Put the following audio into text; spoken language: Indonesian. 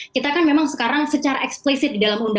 kita kan memang sekarang secara eksplisit di dalam umumnya